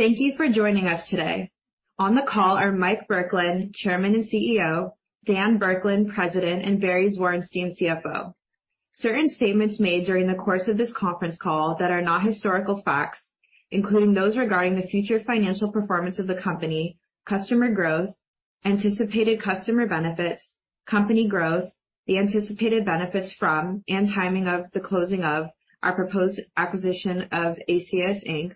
Thank you for joining us today. On the call are Mike Burkland, Chairman and CEO, Dan Burkland, President, and Barry Zwarenstein, CFO. Certain statements made during the course of this conference call that are not historical facts, including those regarding the future financial performance of the company, customer growth, anticipated customer benefits, company growth, the anticipated benefits from and timing of the closing of our proposed acquisition of Aceyus, Inc.,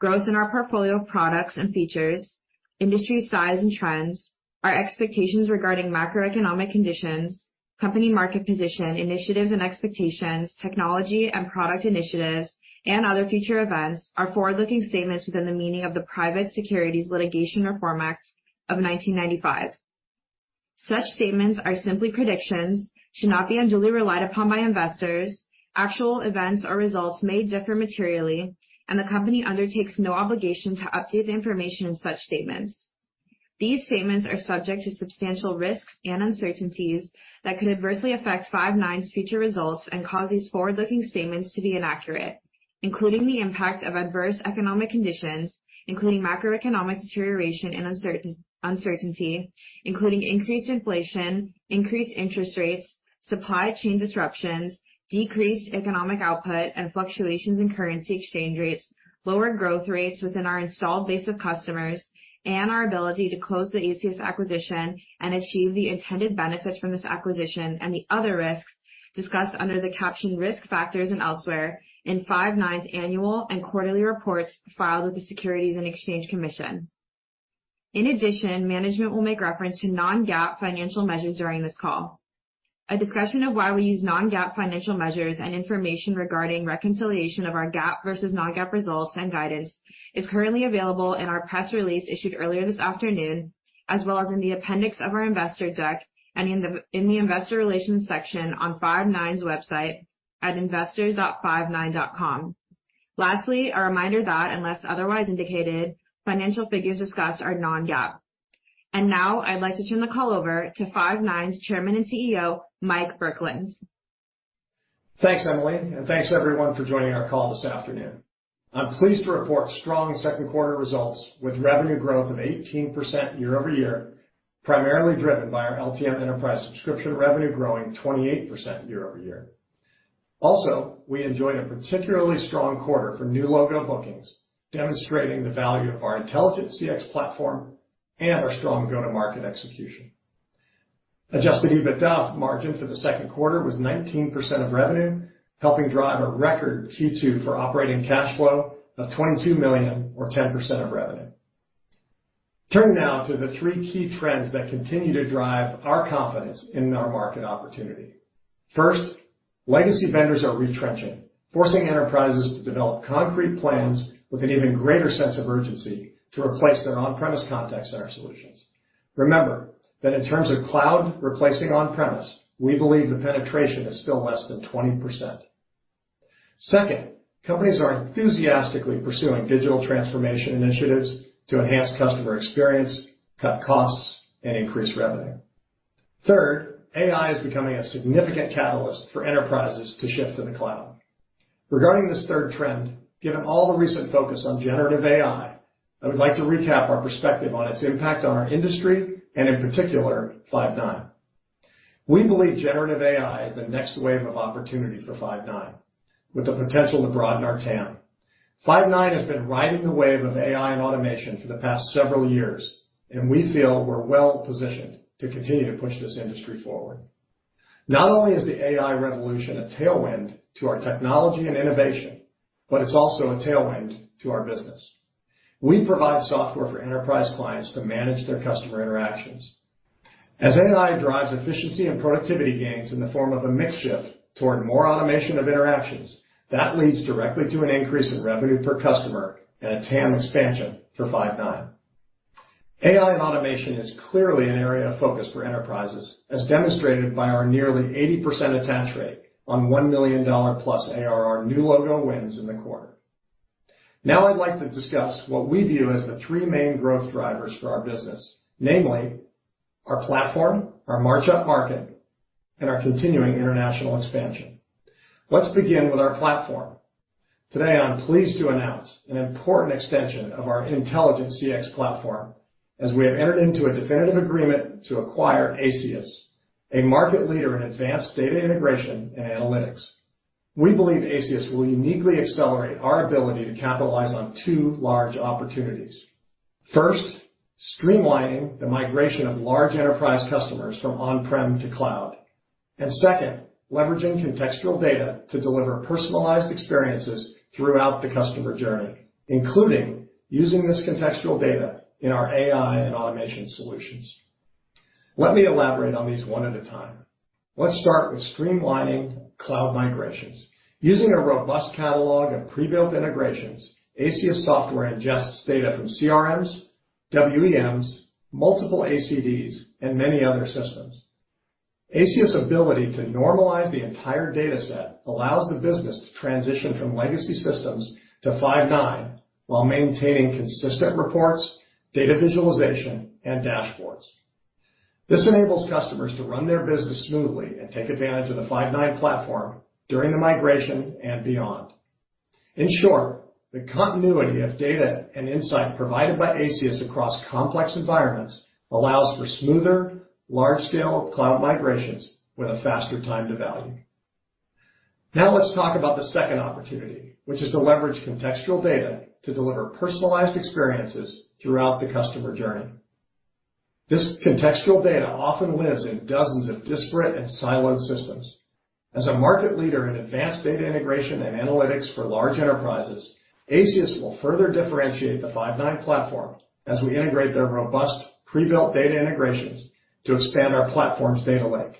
growth in our portfolio of products and features, industry size and trends, our expectations regarding macroeconomic conditions, company market position, initiatives and expectations, technology and product initiatives, and other future events are forward-looking statements within the meaning of the Private Securities Litigation Reform Act of 1995. Such statements are simply predictions, should not be unduly relied upon by investors. Actual events or results may differ materially, and the company undertakes no obligation to update the information in such statements. These statements are subject to substantial risks and uncertainties that could adversely affect Five9's future results and cause these forward-looking statements to be inaccurate, including the impact of adverse economic conditions, including macroeconomic deterioration and uncertainty, including increased inflation, increased interest rates, supply chain disruptions, decreased economic output, and fluctuations in currency exchange rates, lower growth rates within our installed base of customers, and our ability to close the Aceyus acquisition and achieve the intended benefits from this acquisition, and the other risks discussed under the caption Risk Factors and elsewhere in Five9's annual and quarterly reports filed with the Securities and Exchange Commission. In addition, management will make reference to non-GAAP financial measures during this call. A discussion of why we use non-GAAP financial measures and information regarding reconciliation of our GAAP versus non-GAAP results and guidance is currently available in our press release issued earlier this afternoon, as well as in the appendix of our investor deck and in the investor relations section on Five9's website at investors.five9.com. Lastly, a reminder that unless otherwise indicated, financial figures discussed are non-GAAP. Now I'd like to turn the call over to Five9's Chairman and CEO, Mike Burkland. Thanks, Emily, and thanks, everyone, for joining our call this afternoon. I'm pleased to report strong second quarter results with revenue growth of 18% year-over-year, primarily driven by our LTM enterprise subscription revenue growing 28% year-over-year. We enjoyed a particularly strong quarter for new logo bookings, demonstrating the value of our intelligent CX platform and our strong go-to-market execution. Adjusted EBITDA margin for the second quarter was 19% of revenue, helping drive a record Q2 for operating cash flow of $22 million or 10% of revenue. Turning now to the three key trends that continue to drive our confidence in our market opportunity. First, legacy vendors are retrenching, forcing enterprises to develop concrete plans with an even greater sense of urgency to replace their on-premise contact center solutions. Remember that in terms of cloud replacing on-premise, we believe the penetration is still less than 20%. Second, companies are enthusiastically pursuing digital transformation initiatives to enhance customer experience, cut costs, and increase revenue. Third, AI is becoming a significant catalyst for enterprises to shift to the cloud. Regarding this third trend, given all the recent focus on generative AI, I would like to recap our perspective on its impact on our industry and in particular, Five9. We believe generative AI is the next wave of opportunity for Five9, with the potential to broaden our TAM. Five9 has been riding the wave of AI and automation for the past several years. We feel we're well positioned to continue to push this industry forward. Not only is the AI revolution a tailwind to our technology and innovation, but it's also a tailwind to our business. We provide software for enterprise clients to manage their customer interactions. As AI drives efficiency and productivity gains in the form of a mix shift toward more automation of interactions, that leads directly to an increase in revenue per customer and a TAM expansion for Five9. AI and automation is clearly an area of focus for enterprises, as demonstrated by our nearly 80% attach rate on $1 million-plus ARR new logo wins in the quarter. Now I'd like to discuss what we view as the three main growth drivers for our business, namely our platform, our march up market, and our continuing international expansion. Let's begin with our platform. Today, I'm pleased to announce an important extension of our intelligent CX platform as we have entered into a definitive agreement to acquire Aceyus, a market leader in advanced data integration and analytics. We believe Aceyus will uniquely accelerate our ability to capitalize on two large opportunities. First, streamlining the migration of large enterprise customers from on-prem to cloud. Second, leveraging contextual data to deliver personalized experiences throughout the customer journey, including using this contextual data in our AI and automation solutions. Let me elaborate on these one at a time. Let's start with streamlining cloud migrations. Using a robust catalog of prebuilt integrations, Aceyus software ingests data from CRMs, WEMs, multiple ACDs, and many other systems. Aceyus' ability to normalize the entire data set allows the business to transition from legacy systems to Five9 while maintaining consistent reports, data visualization, and dashboards. This enables customers to run their business smoothly and take advantage of the Five9 platform during the migration and beyond. In short, the continuity of data and insight provided by Aceyus across complex environments allows for smoother, large-scale cloud migrations with a faster time to value. Now let's talk about the second opportunity, which is to leverage contextual data to deliver personalized experiences throughout the customer journey. This contextual data often lives in dozens of disparate and siloed systems. As a market leader in advanced data integration and analytics for large enterprises, Aceyus will further differentiate the Five9 platform as we integrate their robust, pre-built data integrations to expand our platform's data lake.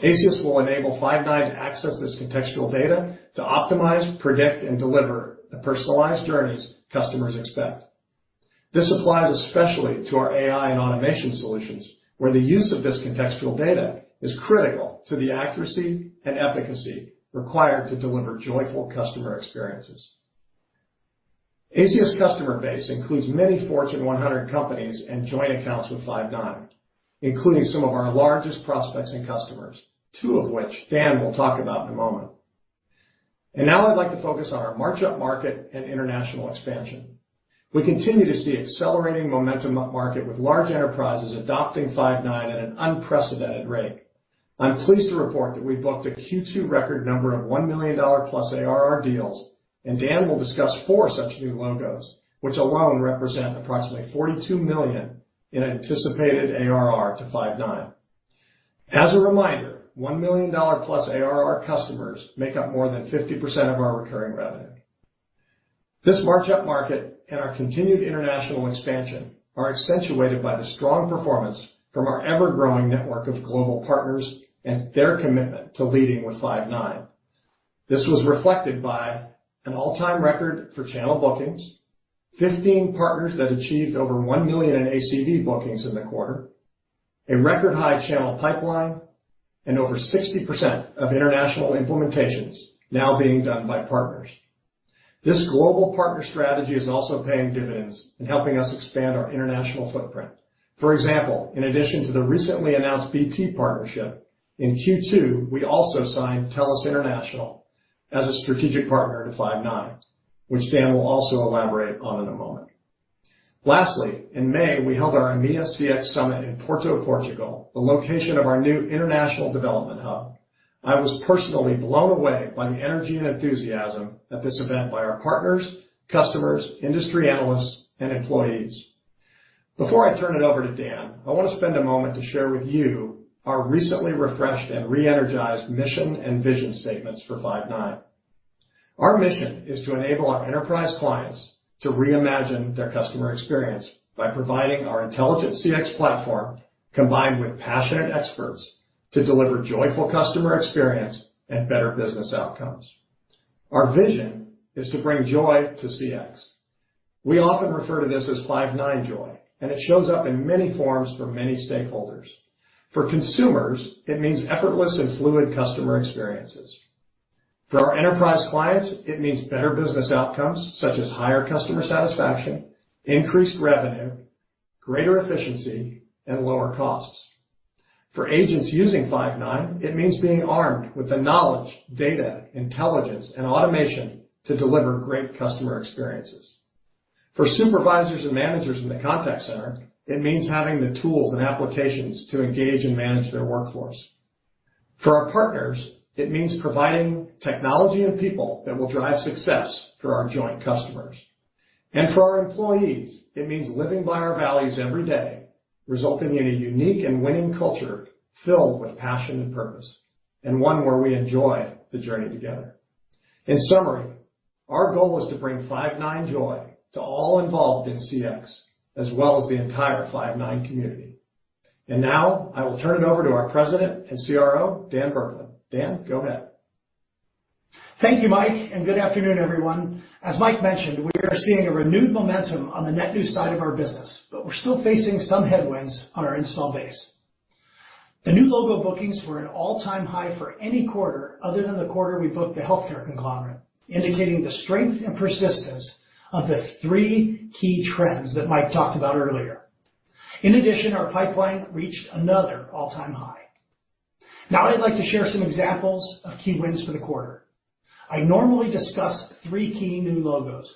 Aceyus will enable Five9 to access this contextual data to optimize, predict, and deliver the personalized journeys customers expect. This applies especially to our AI and automation solutions, where the use of this contextual data is critical to the accuracy and efficacy required to deliver joyful customer experiences. Aceyus customer base includes many Fortune 100 companies and joint accounts with Five9, including some of our largest prospects and customers, two of which Dan will talk about in a moment. Now I'd like to focus on our march up market and international expansion. We continue to see accelerating momentum up market, with large enterprises adopting Five9 at an unprecedented rate. I'm pleased to report that I booked a Q2 record number of $1 million+ ARR deals. Dan will discuss four such new logos, which alone represent approximately $42 million in anticipated ARR to Five9. As a reminder, $1 million+ ARR customers make up more than 50% of our recurring revenue. This march up market and our continued international expansion are accentuated by the strong performance from our ever-growing network of global partners and their commitment to leading with Five9. This was reflected by an all-time record for channel bookings, 15 partners that achieved over $1 million in ACV bookings in the quarter, a record high channel pipeline, and over 60% of international implementations now being done by partners. This global partner strategy is also paying dividends and helping us expand our international footprint. For example, in addition to the recently announced BT partnership, in Q2, we also signed TELUS International as a strategic partner to Five9, which Dan will also elaborate on in a moment. Lastly, in May, we held our EMEA CX Summit in Porto, Portugal, the location of our new international development hub. I was personally blown away by the energy and enthusiasm at this event by our partners, customers, industry analysts, and employees. Before I turn it over to Dan, I want to spend a moment to share with you our recently refreshed and re-energized mission and vision statements for Five9. Our mission is to enable our enterprise clients to reimagine their customer experience by providing our intelligent CX platform, combined with passionate experts, to deliver joyful customer experience and better business outcomes. Our vision is to bring joy to CX. We often refer to this as Five9 Joy, and it shows up in many forms for many stakeholders. For consumers, it means effortless and fluid customer experiences. For our enterprise clients, it means better business outcomes, such as higher customer satisfaction, increased revenue, greater efficiency, and lower costs. For agents using Five9, it means being armed with the knowledge, data, intelligence, and automation to deliver great customer experiences. For supervisors and managers in the contact center, it means having the tools and applications to engage and manage their workforce. For our partners, it means providing technology and people that will drive success for our joint customers. For our employees, it means living by our values every day, resulting in a unique and winning culture filled with passion and purpose, and one where we enjoy the journey together. In summary, our goal is to bring Five9 Joy to all involved in CX, as well as the entire Five9 community. Now, I will turn it over to our President and CRO, Dan Burkland. Dan, go ahead. Thank you, Mike, and good afternoon, everyone. As Mike mentioned, we are seeing a renewed momentum on the net new side of our business, but we're still facing some headwinds on our install base. The new logo bookings were an all-time high for any quarter other than the quarter we booked the healthcare conglomerate, indicating the strength and persistence of the three key trends that Mike talked about earlier. In addition, our pipeline reached another all-time high. Now, I'd like to share some examples of key wins for the quarter. I normally discuss three key new logos.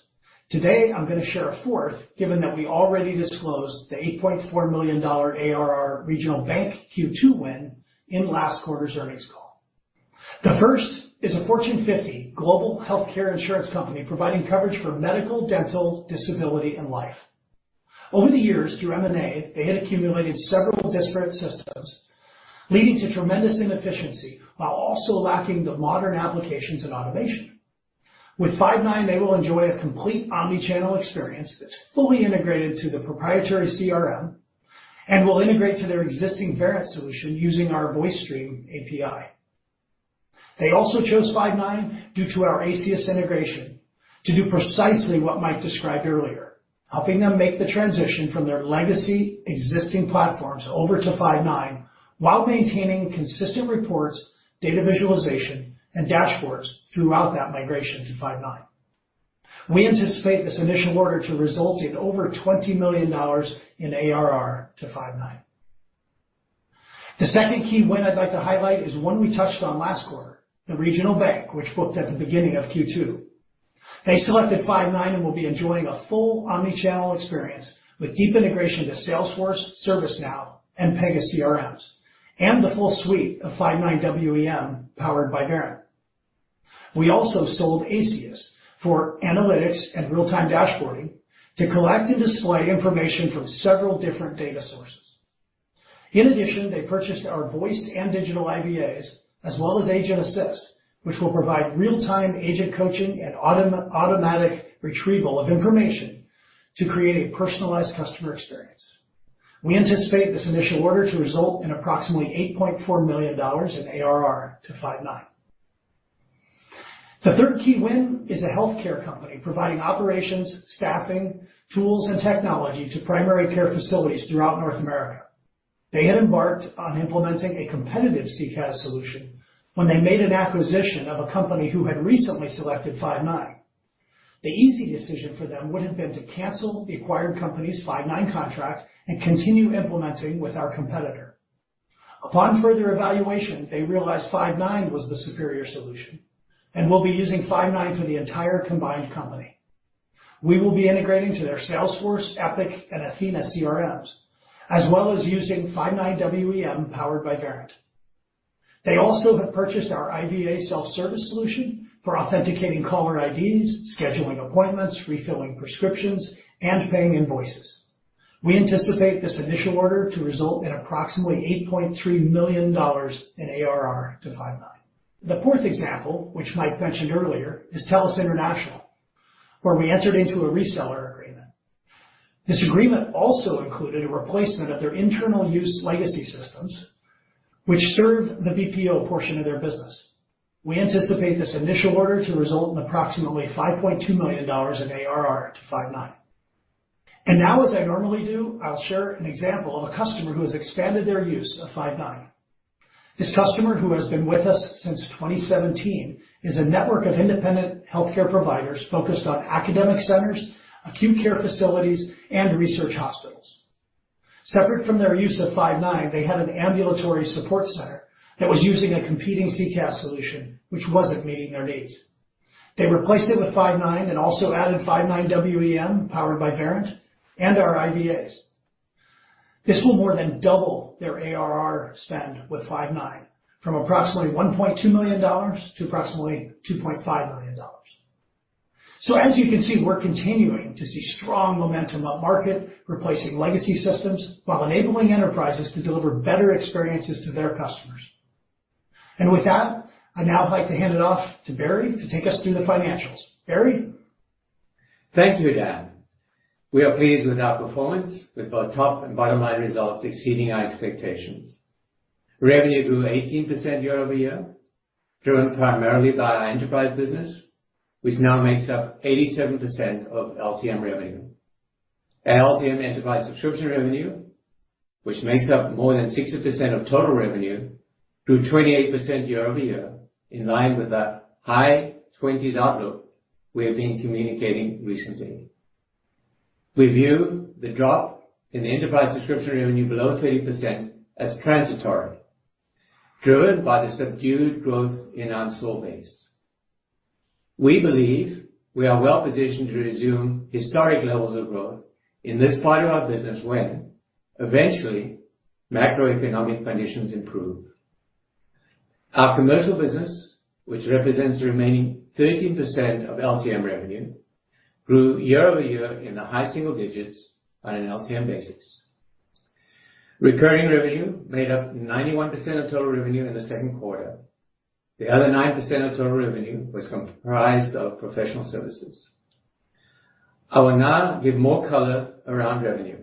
Today, I'm gonna share a fourth, given that we already disclosed the $8.4 million ARR regional bank Q2 win in last quarter's earnings call. The first is a Fortune 50 global healthcare insurance company, providing coverage for medical, dental, disability, and life. Over the years, through M&A, they had accumulated several disparate systems, leading to tremendous inefficiency, while also lacking the modern applications and automation. With Five9, they will enjoy a complete omni-channel experience that's fully integrated into the proprietary CRM and will integrate to their existing Verint solution using our VoiceStream API. They also chose Five9 due to our Aceyus integration to do precisely what Mike described earlier, helping them make the transition from their legacy existing platforms over to Five9 while maintaining consistent reports, data visualization, and dashboards throughout that migration to Five9. We anticipate this initial order to result in over $20 million in ARR to Five9. The second key win I'd like to highlight is one we touched on last quarter, the regional bank, which booked at the beginning of Q2. They selected Five9 and will be enjoying a full omni-channel experience with deep integration to Salesforce, ServiceNow, and Pega CRMs, and the full suite of Five9 WEM, powered by Verint. We also sold Aceyus for analytics and real-time dashboarding to collect and display information from several different data sources. In addition, they purchased our voice and digital IVAs, as well as Agent Assist, which will provide real-time agent coaching and automatic retrieval of information to create a personalized customer experience. We anticipate this initial order to result in approximately $8.4 million in ARR to Five9. The third key win is a healthcare company providing operations, staffing, tools, and technology to primary care facilities throughout North America. They had embarked on implementing a competitive CCaaS solution when they made an acquisition of a company who had recently selected Five9. The easy decision for them would have been to cancel the acquired company's Five9 contract and continue implementing with our competitor. Upon further evaluation, they realized Five9 was the superior solution and will be using Five9 for the entire combined company. We will be integrating to their Salesforce, Epic, and Athena CRMs, as well as using Five9 WEM, powered by Verint. They also have purchased our IVA self-service solution for authenticating caller IDs, scheduling appointments, refilling prescriptions, and paying invoices. We anticipate this initial order to result in approximately $8.3 million in ARR to Five9. The fourth example, which Mike mentioned earlier, is TELUS International, where we entered into a reseller agreement. This agreement also included a replacement of their internal use legacy systems, which served the BPO portion of their business. We anticipate this initial order to result in approximately $5.2 million in ARR to Five9. Now, as I normally do, I'll share an example of a customer who has expanded their use of Five9. This customer, who has been with us since 2017, is a network of independent healthcare providers focused on academic centers, acute care facilities, and research hospitals. Separate from their use of Five9, they had an ambulatory support center that was using a competing CCaaS solution, which wasn't meeting their needs. They replaced it with Five9 and also added Five9 WEM, powered by Verint, and our IVAs. This will more than double their ARR spend with Five9 from approximately $1.2 million to approximately $2.5 million. As you can see, we're continuing to see strong momentum upmarket, replacing legacy systems, while enabling enterprises to deliver better experiences to their customers. With that, I'd now like to hand it off to Barry to take us through the financials. Barry? Thank you, Dan. We are pleased with our performance, with both top and bottom line results exceeding our expectations. Revenue grew 18% year-over-year, driven primarily by our enterprise business, which now makes up 87% of LTM revenue. Our LTM enterprise subscription revenue, which makes up more than 60% of total revenue, grew 28% year-over-year, in line with the high 20s outlook we have been communicating recently. We view the drop in the enterprise subscription revenue below 30% as transitory, driven by the subdued growth in our install base. We believe we are well positioned to resume historic levels of growth in this part of our business when, eventually, macroeconomic conditions improve. Our commercial business, which represents the remaining 13% of LTM revenue, grew year-over-year in the high single digits on an LTM basis. Recurring revenue made up 91% of total revenue in the second quarter. The other 9% of total revenue was comprised of professional services. I will now give more color around revenue.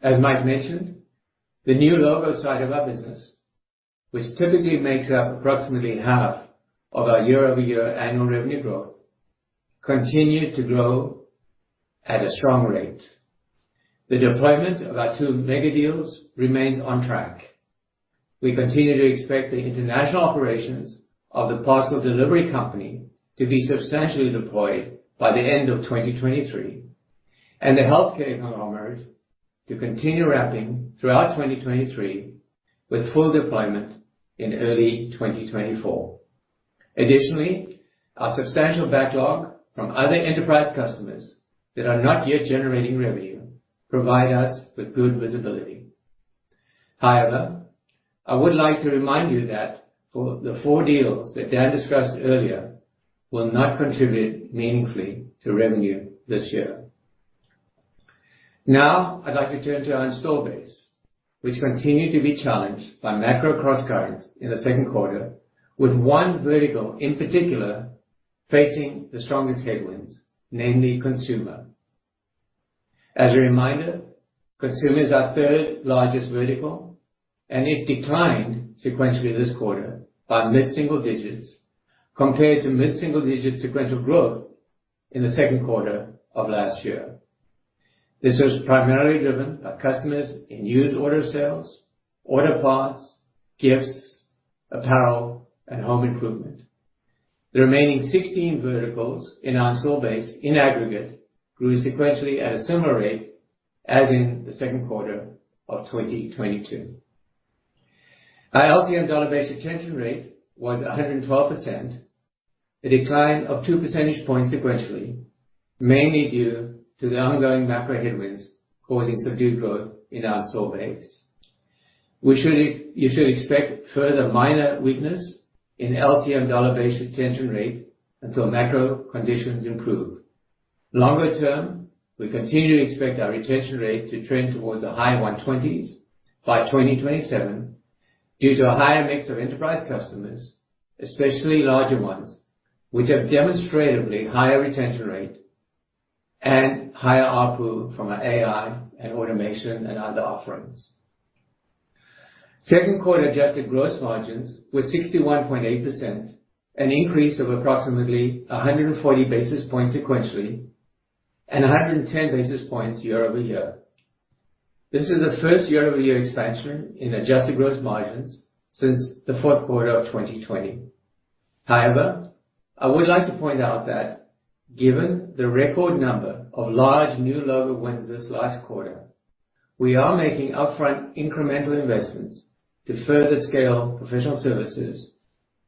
As Mike mentioned, the new logo side of our business, which typically makes up approximately half of our year-over-year annual revenue growth, continued to grow at a strong rate. The deployment of our 2 mega deals remains on track. We continue to expect the international operations of the parcel delivery company to be substantially deployed by the end of 2023, and the healthcare conglomerate to continue ramping throughout 2023, with full deployment in early 2024. Additionally, our substantial backlog from other enterprise customers that are not yet generating revenue provide us with good visibility. However, I would like to remind you that for the four deals that Dan discussed earlier will not contribute meaningfully to revenue this year. I'd like to turn to our install base, which continued to be challenged by macro cross-currents in the second quarter, with one vertical in particular facing the strongest headwinds, namely consumer. As a reminder, consumer is our third largest vertical, and it declined sequentially this quarter by mid-single digits compared to mid-single digits sequential growth in the second quarter of last year. This was primarily driven by customers in used order sales, order parts, gifts, apparel, and home improvement. The remaining 16 verticals in our install base, in aggregate, grew sequentially at a similar rate as in the second quarter of 2022. Our LTM dollar-based retention rate was 112%, a decline of 2 percentage points sequentially, mainly due to the ongoing macro headwinds causing subdued growth in our store base. You should expect further minor weakness in LTM dollar-based retention rate until macro conditions improve. Longer term, we continue to expect our retention rate to trend towards the high 120s by 2027 due to a higher mix of enterprise customers, especially larger ones, which have demonstratively higher retention rate and higher ARPU from our AI and automation and other offerings. Second quarter adjusted gross margins were 61.8%, an increase of approximately 140 basis points sequentially and 110 basis points year-over-year. This is the first year-over-year expansion in adjusted gross margins since the fourth quarter of 2020. However, I would like to point out that given the record number of large new logo wins this last quarter, we are making upfront incremental investments to further scale professional services,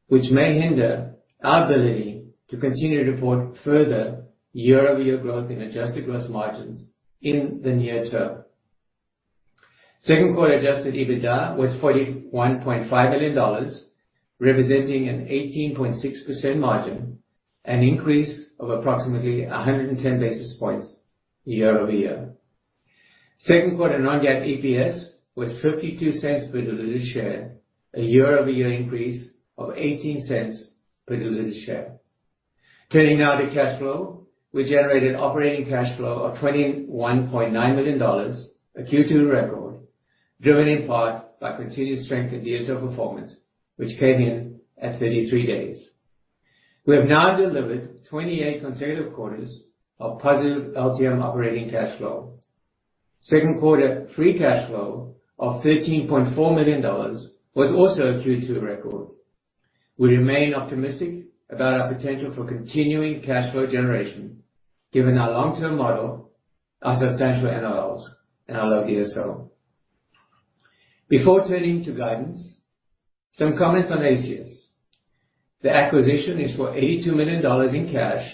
which may hinder our ability to continue to report further year-over-year growth in adjusted gross margins in the near term. Second quarter Adjusted EBITDA was $41.5 million, representing an 18.6% margin, an increase of approximately 110 basis points year-over-year. Second quarter non-GAAP EPS was $0.52 per diluted share, a year-over-year increase of $0.18 per diluted share. Turning now to cash flow. We generated operating cash flow of $21.9 million, a Q2 record, driven in part by continued strength in DSO performance, which came in at 33 days. We have now delivered 28 consecutive quarters of positive LTM operating cash flow. Second quarter free cash flow of $13.4 million was also a Q2 record. We remain optimistic about our potential for continuing cash flow generation, given our long-term model, our substantial NOLs, and our low DSO. Before turning to guidance, some comments on ACS. The acquisition is for $82 million in cash,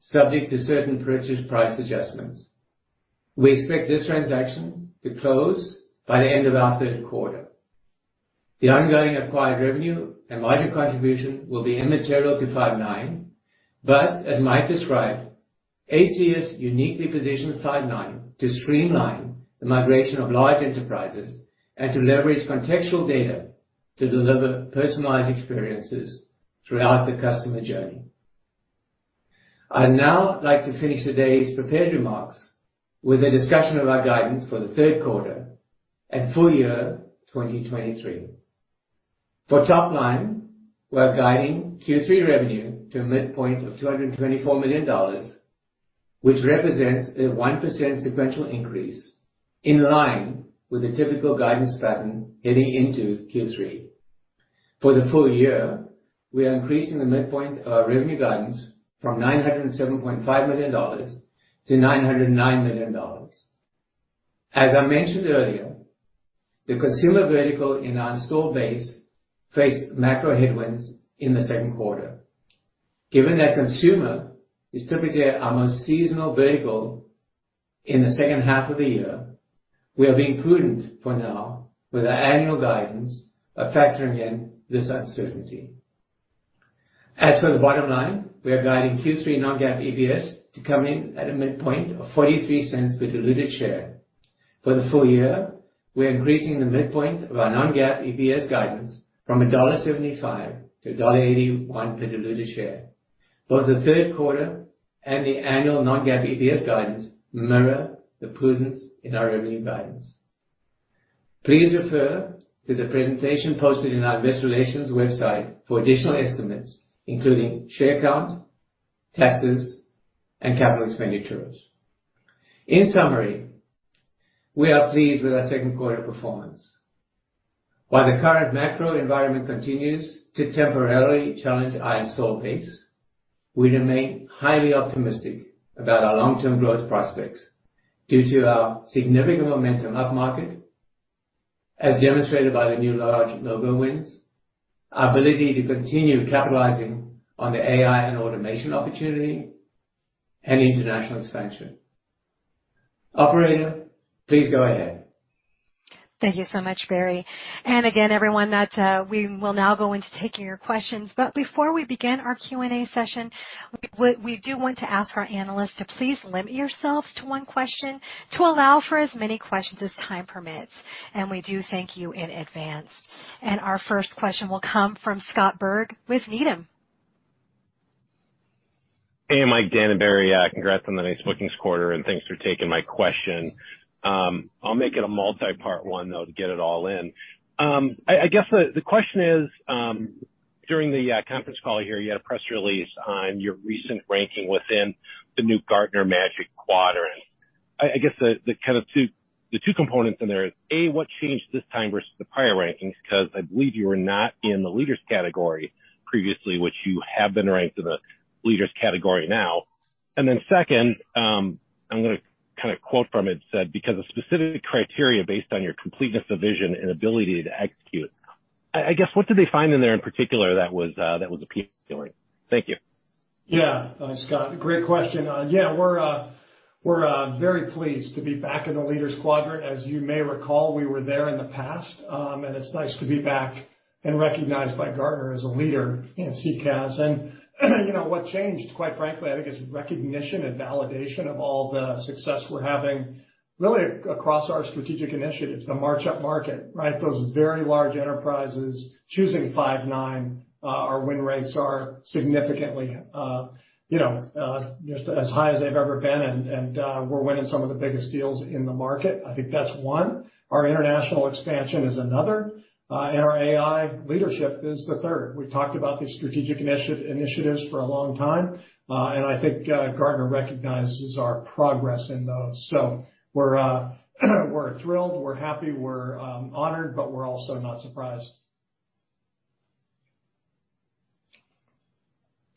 subject to certain purchase price adjustments. We expect this transaction to close by the end of our third quarter. The ongoing acquired revenue and margin contribution will be immaterial to Five9, but as Mike described, ACS uniquely positions Five9 to streamline the migration of large enterprises and to leverage contextual data to deliver personalized experiences throughout the customer journey. I'd now like to finish today's prepared remarks with a discussion of our guidance for the third quarter and full year 2023. For top line, we are guiding Q3 revenue to a midpoint of $224 million, which represents a 1% sequential increase in line with the typical guidance pattern heading into Q3. For the full year, we are increasing the midpoint of our revenue guidance from $907.5 million to $909 million. As I mentioned earlier, the consumer vertical in our install base faced macro headwinds in the second quarter. Given that consumer is typically our most seasonal vertical in the second half of the year, we are being prudent for now with our annual guidance of factoring in this uncertainty. As for the bottom line, we are guiding Q3 non-GAAP EPS to come in at a midpoint of $0.43 per diluted share. For the full year, we are increasing the midpoint of our non-GAAP EPS guidance from $1.75 to $1.81 per diluted share. Both the third quarter and the annual non-GAAP EPS guidance mirror the prudence in our revenue guidance. Please refer to the presentation posted in our investor relations website for additional estimates, including share count, taxes, and capital expenditures. In summary, we are pleased with our second quarter performance. While the current macro environment continues to temporarily challenge our install base, we remain highly optimistic about our long-term growth prospects due to our significant momentum upmarket, as demonstrated by the new large logo wins, our ability to continue capitalizing on the AI and automation opportunity, and international expansion. Operator, please go ahead. Thank you so much, Barry. Again, everyone, that, we will now go into taking your questions. Before we begin our Q&A session, we, we do want to ask our analysts to please limit yourselves to one question to allow for as many questions as time permits, and we do thank you in advance. Our first question will come from Scott Berg with Needham. Hey, Mike, Dan, and Barry, congrats on the nice bookings quarter, and thanks for taking my question. I'll make it a multipart one, though, to get it all in. I, I guess the, the question is,... During the conference call here, you had a press release on your recent ranking within the new Gartner Magic Quadrant. I, I guess the, the kind of 2, the 2 components in there is, A, what changed this time versus the prior rankings? Because I believe you were not in the leaders category previously, which you have been ranked in the leaders category now. Then second, I'm gonna kind of quote from it, said, "Because of specific criteria based on your completeness of vision and ability to execute." I, I guess, what did they find in there in particular that was that was appealing? Thank you. Yeah, Scott, great question. Yeah, we're, we're very pleased to be back in the leaders quadrant. As you may recall, we were there in the past, and it's nice to be back and recognized by Gartner as a leader in CCaaS. You know, what changed, quite frankly, I think it's recognition and validation of all the success we're having, really, across our strategic initiatives, the march up market, right? Those very large enterprises choosing Five9. Our win rates are significantly, you know, just as high as they've ever been, and, we're winning some of the biggest deals in the market. I think that's one. Our international expansion is another, and our AI leadership is the third. We've talked about these strategic initiatives for a long time, I think, Gartner recognizes our progress in those. We're, we're thrilled, we're happy, we're, honored, but we're also not surprised.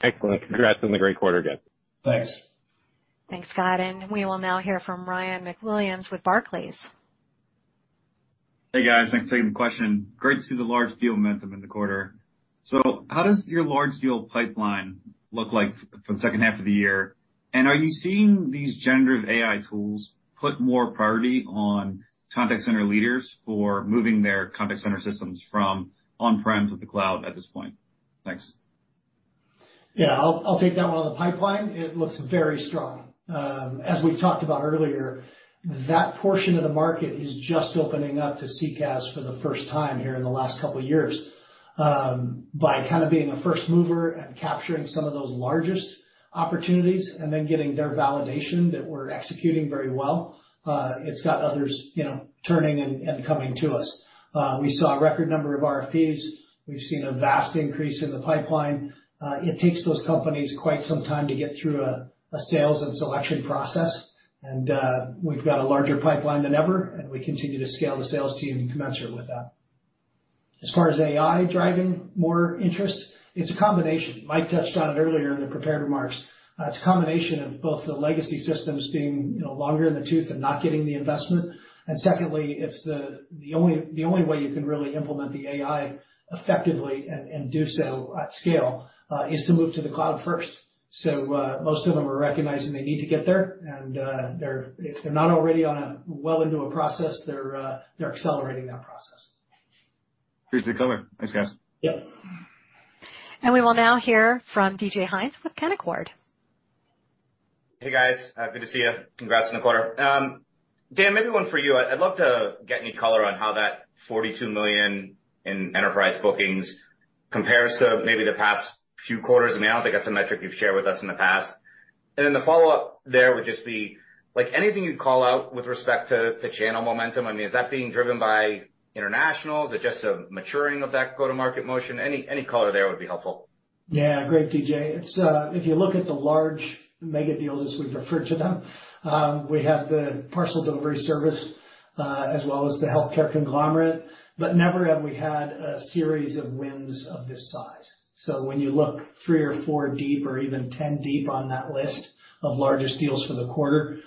Excellent. Congrats on the great quarter again. Thanks. Thanks, Scott, we will now hear from Ryan MacWilliams with Barclays. Hey, guys. Thanks for taking the question. Great to see the large deal momentum in the quarter. How does your large deal pipeline look like for the second half of the year? Are you seeing these generative AI tools put more priority on contact center leaders for moving their contact center systems from on-prem to the cloud at this point? Thanks. Yeah, I'll, I'll take that one. On the pipeline, it looks very strong. As we've talked about earlier, that portion of the market is just opening up to CCaaS for the first time here in the last couple years. By kind of being a first mover and capturing some of those largest opportunities and then getting their validation that we're executing very well, it's got others, you know, turning and coming to us. We saw a record number of RFPs. We've seen a vast increase in the pipeline. It takes those companies quite some time to get through a sales and selection process. We've got a larger pipeline than ever, and we continue to scale the sales team commensurate with that. As far as AI driving more interest, it's a combination. Mike touched on it earlier in the prepared remarks. It's a combination of both the legacy systems being, you know, longer in the tooth and not getting the investment. Secondly, it's the, the only, the only way you can really implement the AI effectively and do so at scale is to move to the cloud first. Most of them are recognizing they need to get there, and if they're not already on a well into a process, they're accelerating that process. Good to hear. Thanks, guys. Yep. We will now hear from DJ Hynes with Canaccord. Hey, guys. good to see you. Congrats on the quarter. Dan, maybe one for you. I'd love to get any color on how that $42 million in enterprise bookings compares to maybe the past few quarters. I mean, I don't think that's a metric you've shared with us in the past. Then the follow-up there would just be, like, anything you'd call out with respect to, to channel momentum, I mean, is that being driven by international? Is it just a maturing of that go-to-market motion? Any, any color there would be helpful. Yeah, great, DJ. It's, if you look at the large mega deals, as we refer to them, we have the parcel delivery service, as well as the healthcare conglomerate, but never have we had a series of wins of this size. When you look 3 or 4 deep or even 10 deep on that list of largest deals for the quarter,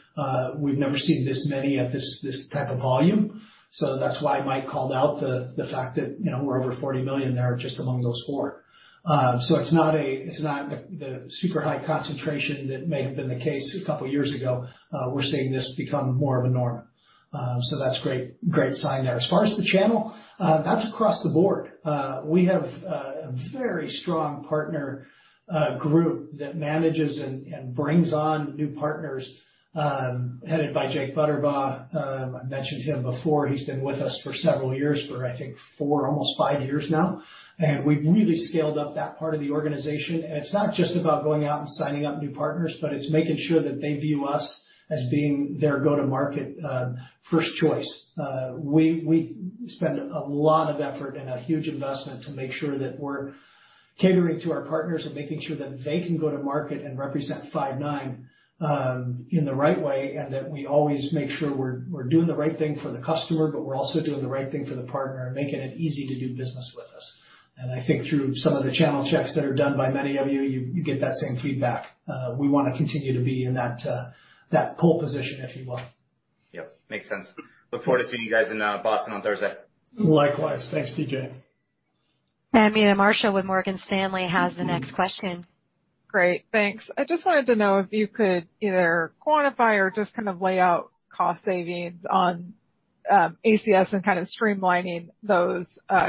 we've never seen this many at this, this type of volume. That's why Mike called out the, the fact that, you know, we're over $40 million there, just among those 4. It's not the, the super high concentration that may have been the case a couple of years ago. We're seeing this become more of a norm. That's great, great sign there. As far as the channel, that's across the board. We have a very strong partner group that manages and, and brings on new partners, headed by Jake Butterbaugh. I've mentioned him before. He's been with us for several years, for I think 4, almost 5 years now, and we've really scaled up that part of the organization. It's not just about going out and signing up new partners, but it's making sure that they view us as being their go-to-market first choice. We, we spend a lot of effort and a huge investment to make sure that we're catering to our partners and making sure that they can go to market and represent Five9 in the right way, and that we always make sure we're, we're doing the right thing for the customer, but we're also doing the right thing for the partner and making it easy to do business with us. I think through some of the channel checks that are done by many of you, you, you get that same feedback. We wanna continue to be in that, that pole position, if you will. Yep, makes sense. Look forward to seeing you guys in, Boston on Thursday. Likewise. Thanks, DJ. Mita Marshall with Morgan Stanley has the next question. Great, thanks. I just wanted to know if you could either quantify or just kind of lay out cost savings on ACS and kind of streamlining those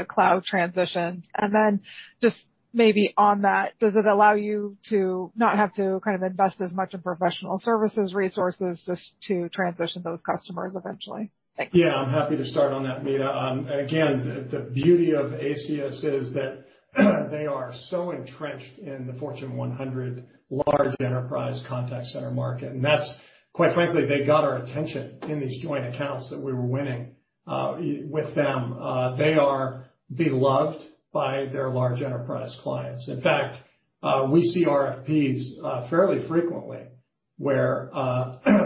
cloud transitions. Then just maybe on that, does it allow you to not have to kind of invest as much in professional services, resources, just to transition those customers eventually? Thank you. Yeah, I'm happy to start on that, Mita. Again, the beauty of ACS is that they are so entrenched in the Fortune 100 large enterprise contact center market, and that's. Quite frankly, they got our attention in these joint accounts that we were winning.... with them, they are beloved by their large enterprise clients. In fact, we see RFPs fairly frequently where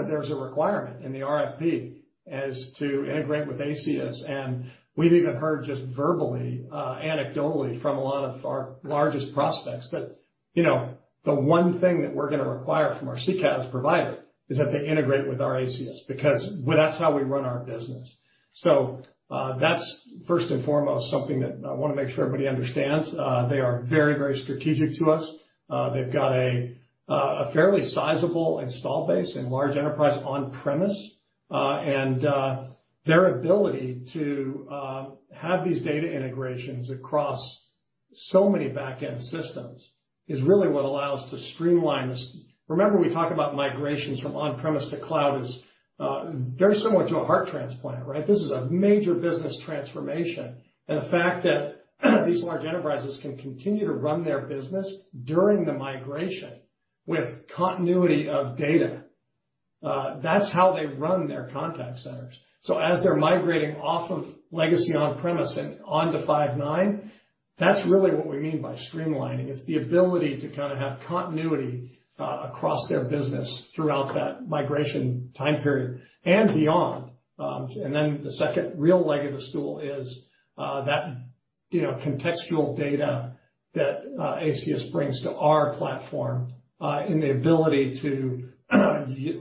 there's a requirement in the RFP as to integrate with ACS, and we've even heard just verbally, anecdotally from a lot of our largest prospects that, you know, the one thing that we're gonna require from our CCaaS provider is that they integrate with our ACS, because well, that's how we run our business. That's first and foremost, something that I wanna make sure everybody understands. They are very, very strategic to us. They've got a, a fairly sizable install base and large enterprise on premise. Their ability to have these data integrations across so many back-end systems is really what allows to streamline this. Remember, we talk about migrations from on-premise to cloud as very similar to a heart transplant, right? This is a major business transformation. The fact that these large enterprises can continue to run their business during the migration with continuity of data, that's how they run their contact centers. As they're migrating off of legacy on-premise and onto Five9, that's really what we mean by streamlining, is the ability to kinda have continuity across their business throughout that migration time period and beyond. Then, the second real leg of the stool is that, you know, contextual data that ACS brings to our platform in the ability to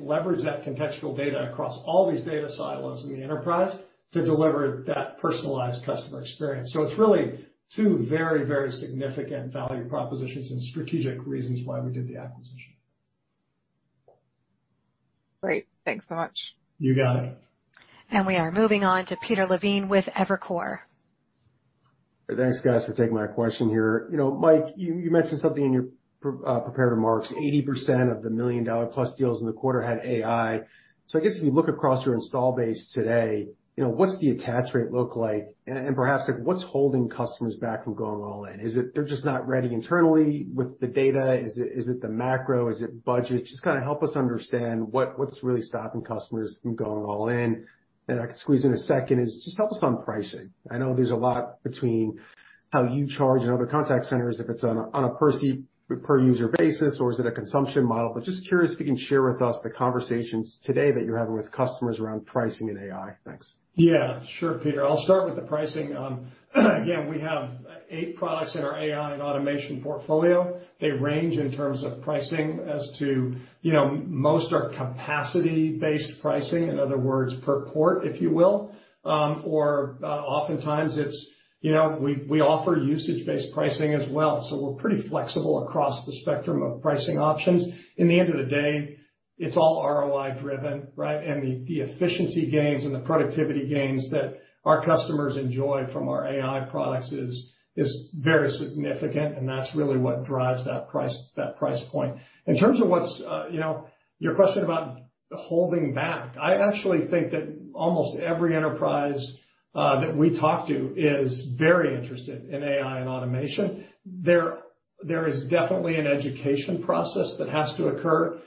leverage that contextual data across all these data silos in the enterprise to deliver that personalized customer experience. It's really two very, very significant value propositions and strategic reasons why we did the acquisition. Great. Thanks so much. You got it. We are moving on to Peter Levine with Evercore. Thanks, guys, for taking my question here. You know, Mike, you mentioned something in your prepared remarks, 80% of the $1 million-plus deals in the quarter had AI. I guess if you look across your install base today, you know, what's the attach rate look like? Perhaps, like, what's holding customers back from going all in? Is it they're just not ready internally with the data? Is it, is it the macro? Is it budget? Just kind of help us understand what, what's really stopping customers from going all in. I could squeeze in a second is, just help us on pricing. I know there's a lot between how you charge and other contact centers, if it's on a per user basis, or is it a consumption model? Just curious if you can share with us the conversations today that you're having with customers around pricing and AI. Thanks. Yeah, sure, Peter. I'll start with the pricing. Again, we have eight products in our AI and automation portfolio. They range in terms of pricing as to, you know, most are capacity-based pricing, in other words, per port, if you will. Or, oftentimes it's, you know, we, we offer usage-based pricing as well, so we're pretty flexible across the spectrum of pricing options. In the end of the day, it's all ROI driven, right? The, the efficiency gains and the productivity gains that our customers enjoy from our AI products is, is very significant, and that's really what drives that price, that price point. In terms of what's, you know, your question about holding back, I actually think that almost every enterprise that we talk to is very interested in AI and automation. There, there is definitely an education process that has to occur.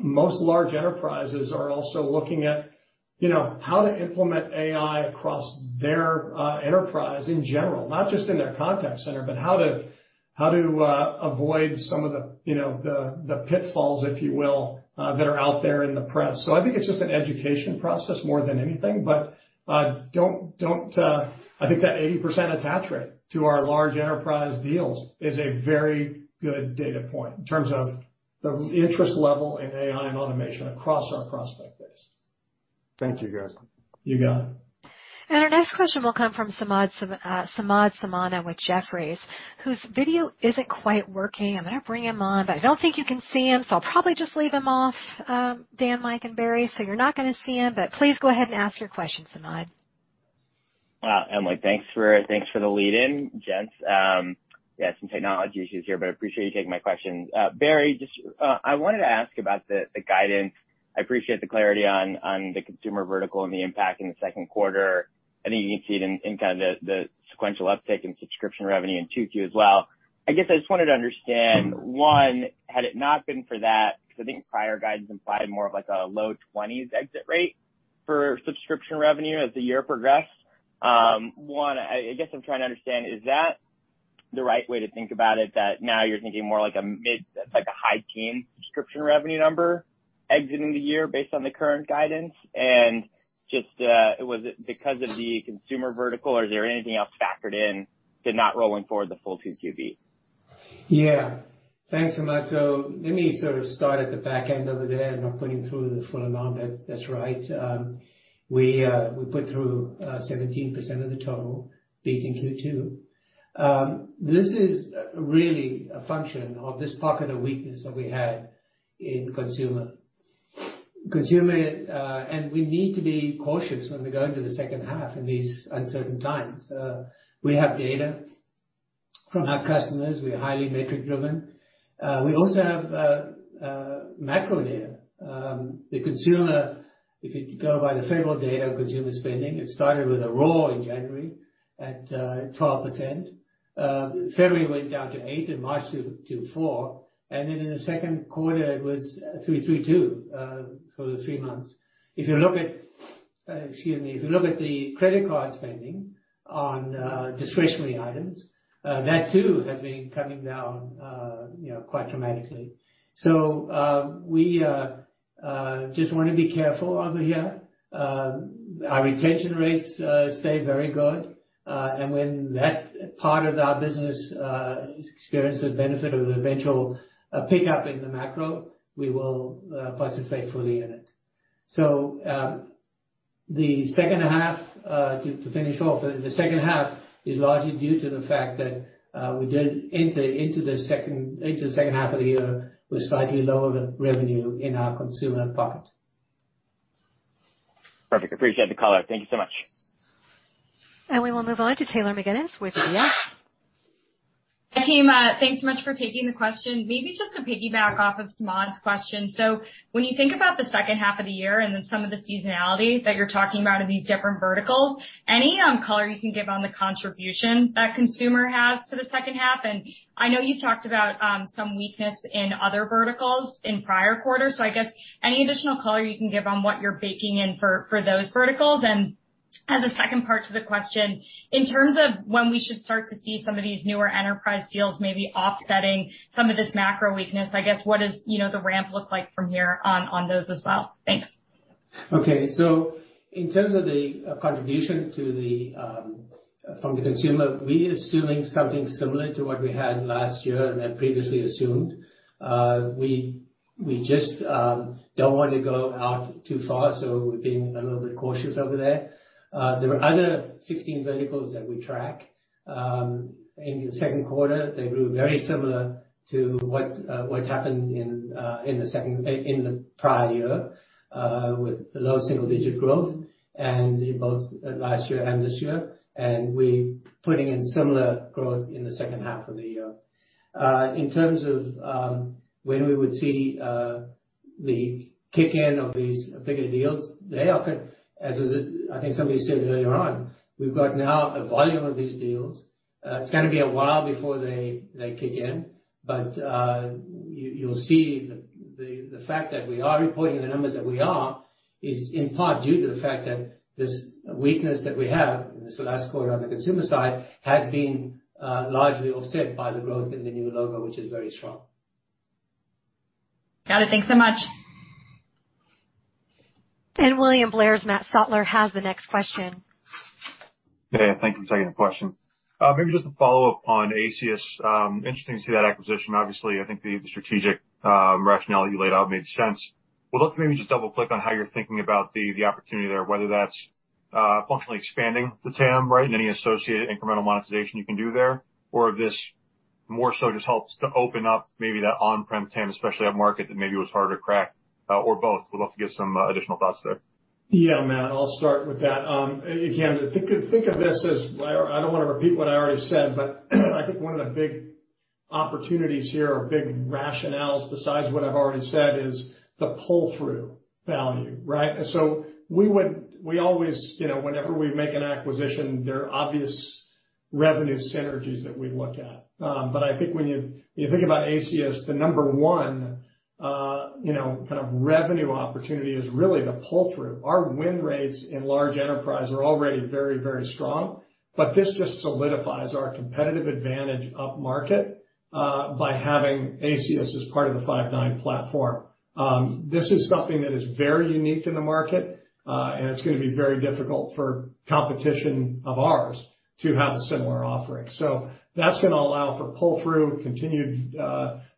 Most large enterprises are also looking at, you know, how to implement AI across their enterprise in general, not just in their contact center, but how to, how to avoid some of the, you know, the, the pitfalls, if you will, that are out there in the press. So I think it's just an education process more than anything, but don't, don't... I think that 80% attach rate to our large enterprise deals is a very good data point in terms of the interest level in AI and automation across our prospect base. Thank you, guys. You got it. Our next question will come from Samad Samana with Jefferies, whose video isn't quite working. I'm gonna bring him on, but I don't think you can see him, so I'll probably just leave him off, Dan, Mike, and Barry. You're not gonna see him, but please go ahead and ask your question, Samad. Wow, Emily, thanks for, thanks for the lead in, gents. We had some technology issues here, I appreciate you taking my questions. Barry, just, I wanted to ask about the guidance. I appreciate the clarity on the consumer vertical and the impact in the second quarter. I think you can see it in kind of the sequential uptick in subscription revenue in 2Q as well. I guess I just wanted to understand, one, had it not been for that, because I think prior guidance implied more of, like, a low 20s exit rate for subscription revenue as the year progressed. One, I guess I'm trying to understand, is that the right way to think about it, that now you're thinking more like a high teens subscription revenue number exiting the year based on the current guidance? Just, was it because of the consumer vertical, or is there anything else factored in to not rolling forward the full 2 QB? Yeah. Thanks, Samad. Let me sort of start at the back end over there. Not putting through the full amount, that, that's right. We put through 17% of the total baking through 2. This is really a function of this pocket of weakness that we had in consumer. Consumer, and we need to be cautious when we go into the second half in these uncertain times. We have data from our customers. We are highly metric driven. We also have macro data. The consumer, if you go by the federal data on consumer spending, it started with a roar in January at 12%. February went down to 8, in March to 4, and then in the second quarter, it was 3, 3, 2 for the three months. If you look at, excuse me. If you look at the credit card spending on discretionary items, that too, has been coming down, you know, quite dramatically. We just want to be careful over here. Our retention rates stay very good, and when that part of our business experiences the benefit of an eventual pickup in the macro, we will participate fully in it. The second half, to finish off, the second half is largely due to the fact that we did enter into the second, into the second half of the year with slightly lower re-revenue in our consumer pocket. Perfect. Appreciate the call out. Thank you so much. We will move on to Taylor McGinnis with UBS. Hi, team. Thanks so much for taking the question. Maybe just to piggyback off of Samad's question: When you think about the second half of the year and then some of the seasonality that you're talking about in these different verticals, any color you can give on the contribution that consumer has to the second half? I know you've talked about some weakness in other verticals in prior quarters, I guess any additional color you can give on what you're baking in for, for those verticals? As a second part to the question, in terms of when we should start to see some of these newer enterprise deals maybe offsetting some of this macro weakness, I guess, what does, you know, the ramp look like from here on, on those as well? Thanks. Okay. In terms of the contribution to the from the consumer, we are assuming something similar to what we had last year and had previously assumed. We, we just don't want to go out too far, so we're being a little bit cautious over there. There were other 16 verticals that we track. In the second quarter, they grew very similar to what what's happened in in the prior year, with low single-digit growth, and in both last year and this year, and we're putting in similar growth in the second half of the year. In terms of when we would see the kick in of these bigger deals, they often, as I think somebody said earlier on, we've got now a volume of these deals. It's gonna be a while before they, they kick in, but, you, you'll see the, the, the fact that we are reporting the numbers that we are, is in part due to the fact that this weakness that we have in this last quarter on the consumer side has been largely offset by the growth in the new logo, which is very strong. Got it. Thanks so much. William Blair's Matt Sottler has the next question. Hey, thank you for taking the question. Maybe just to follow up on ACS. Interesting to see that acquisition. Obviously, I think the strategic rationale you laid out made sense. Would love to maybe just double-click on how you're thinking about the opportunity there, whether that's functionally expanding the TAM, right? Any associated incremental monetization you can do there, or if this more so just helps to open up maybe that on-prem TAM, especially a market that maybe was harder to crack, or both. Would love to get some additional thoughts there. Yeah, Matt, I'll start with that. Again, think of, think of this as... I, I don't want to repeat what I already said, but I think one of the big opportunities here or big rationales, besides what I've already said, is the pull-through value, right? We would- we always, you know, whenever we make an acquisition, there are obvious revenue synergies that we look at. I think when you, you think about ACS, the number one, you know, kind of revenue opportunity is really the pull-through. Our win rates in large enterprise are already very, very strong, but this just solidifies our competitive advantage upmarket by having ACS as part of the Five9 platform. This is something that is very unique in the market, and it's gonna be very difficult for competition of ours to have a similar offering. That's going to allow for pull-through, continued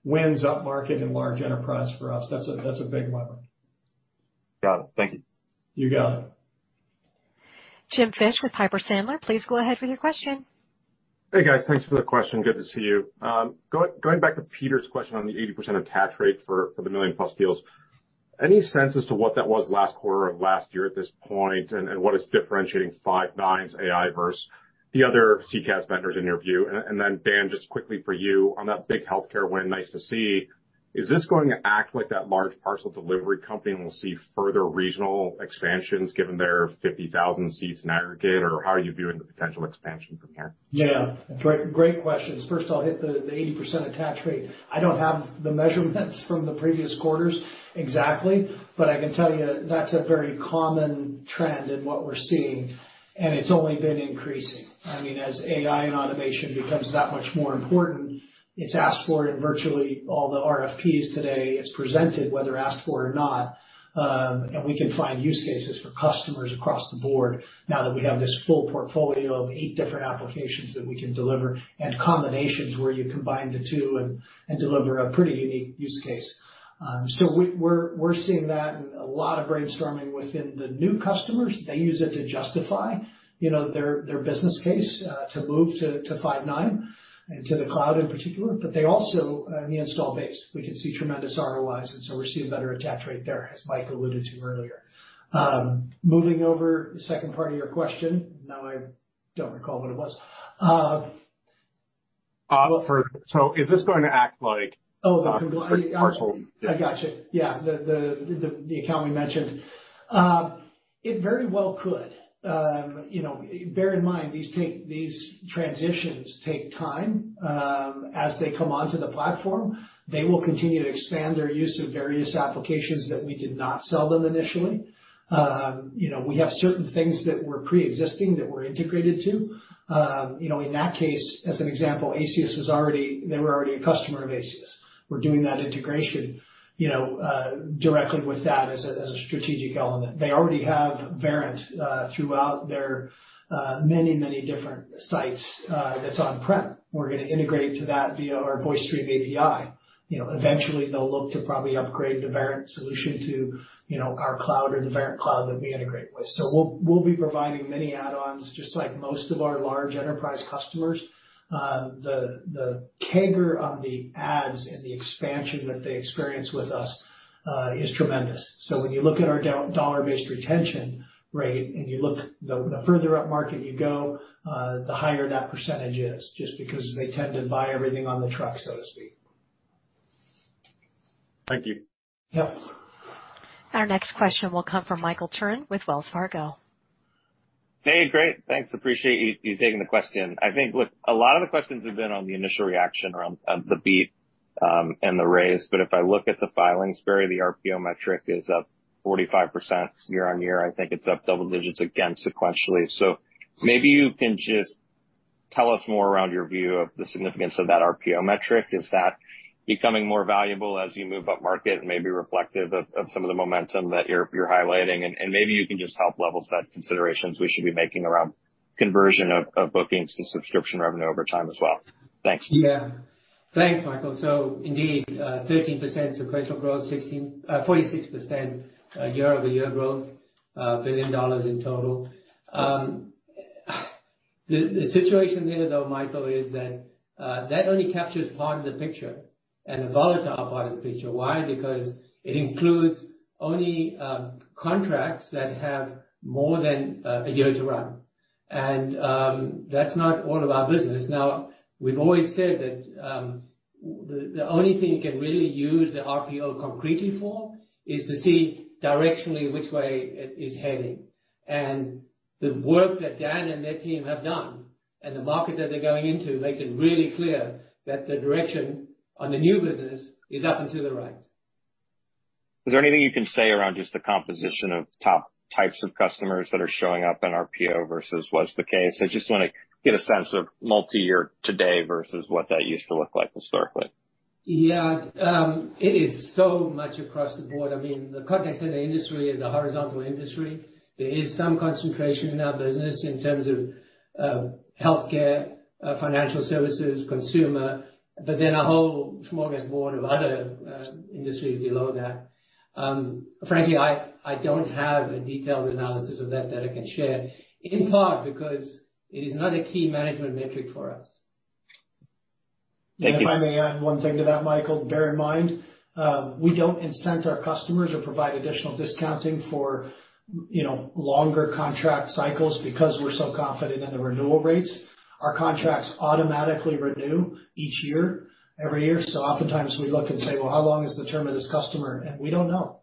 wins upmarket and large enterprise for us. That's a, that's a big lever. Got it. Thank you. You got it. Jim Fish with Piper Sandler. Please go ahead with your question. Hey, guys. Thanks for the question. Good to see you. Going, going back to Peter's question on the 80% attach rate for, for the million-plus deals, any sense as to what that was last quarter of last year at this point, and, and what is differentiating Five9's AI versus the other CCaaS vendors in your view? Then, Dan, just quickly for you, on that big healthcare win, nice to see. Is this going to act like that large parcel delivery company, and we'll see further regional expansions given their 50,000 seats in aggregate, or how are you viewing the potential expansion from here? Yeah, great, great questions. First, I'll hit the, the 80% attach rate. I don't have the measurements from the previous quarters exactly, but I can tell you that's a very common trend in what we're seeing, and it's only been increasing. I mean, as AI and automation becomes that much more important, it's asked for in virtually all the RFPs today. It's presented, whether asked for or not, and we can find use cases for customers across the board now that we have this full portfolio of 8 different applications that we can deliver, and combinations where you combine the two and, and deliver a pretty unique use case. We're, we're seeing that in a lot of brainstorming within the new customers. They use it to justify, you know, their, their business case to move to Five9 and to the cloud in particular, but they also, the install base, we can see tremendous ROIs, and so we're seeing better attach rate there, as Mike alluded to earlier. Moving over the second part of your question, now I don't recall what it was.... is this going to act like? Oh. Partial. I got you. Yeah. The account we mentioned. It very well could. You know, bear in mind, these transitions take time. As they come onto the platform, they will continue to expand their use of various applications that we did not sell them initially. You know, we have certain things that were pre-existing that we're integrated to. You know, in that case, as an example, they were already a customer of Aceyus. We're doing that integration, you know, directly with that as a strategic element. They already have Verint throughout their many, many different sites that's on-prem. We're gonna integrate to that via our VoiceStream API. You know, eventually, they'll look to probably upgrade the Verint solution to, you know, our cloud or the Verint cloud that we integrate with. So we'll, we'll be providing many add-ons, just like most of our large enterprise customers. The, the CAGR on the ads and the expansion that they experience with us is tremendous. When you look at our dollar-based retention rate, and you look. The further up market you go, the higher that % is, just because they tend to buy everything on the truck, so to speak. Thank you. Yeah. Our next question will come from Michael Turrin with Wells Fargo. Hey, great. Thanks. Appreciate you, you taking the question. I think, look, a lot of the questions have been on the initial reaction around the beat and the raise. If I look at the filings, Barry, the RPO metric is up 45% year-on-year. I think it's up double digits again, sequentially. Maybe you can just tell us more around your view of the significance of that RPO metric. Is that becoming more valuable as you move up market and maybe reflective of, of some of the momentum that you're, you're highlighting? Maybe you can just help level set considerations we should be making around conversion of, of bookings to subscription revenue over time as well. Thanks. Yeah. Thanks, Michael. Indeed, 13% sequential growth, 16, 46% year-over-year growth, $1 billion in total. The situation there, though, Michael, is that that only captures part of the picture and the volatile part of the picture. Why? Because it includes only contracts that have more than a year to run, and that's not all of our business. Now, we've always said that the only thing you can really use the RPO concretely for is to see directionally which way it is heading. The work that Dan and their team have done, and the market that they're going into, makes it really clear that the direction on the new business is up and to the right. Is there anything you can say around just the composition of top types of customers that are showing up in RPO versus what's the case? I just wanna get a sense of multiyear today versus what that used to look like historically. Yeah. It is so much across the board. I mean, the contact center industry is a horizontal industry. There is some concentration in our business in terms of, healthcare, financial services, consumer, but then a whole smorgasbord of other industries below that. Frankly, I, I don't have a detailed analysis of that that I can share, in part because it is not a key management metric for us. Thank you. If I may add one thing to that, Michael. Bear in mind, we don't incent our customers or provide additional discounting for, you know, longer contract cycles because we're so confident in the renewal rates. Our contracts automatically renew each year, every year, so oftentimes we look and say: Well, how long is the term of this customer? We don't know,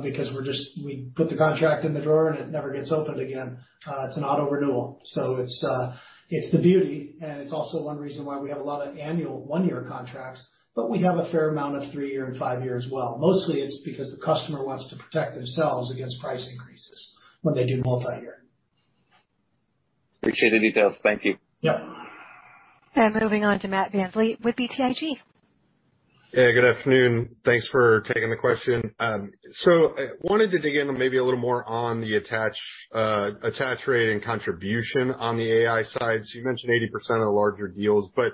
because we're just, we put the contract in the drawer, and it never gets opened again. It's an auto renewal, so it's, it's the beauty, and it's also one reason why we have a lot of annual one-year contracts, but we have a fair amount of three-year and five-year as well. Mostly, it's because the customer wants to protect themselves against price increases when they do multiyear. Appreciate the details. Thank you. Yeah. Moving on to Matt VanVleet with BTIG. Hey, good afternoon. Thanks for taking the question. I wanted to dig in maybe a little more on the attach, attach rate and contribution on the AI side. You mentioned 80% of the larger deals, but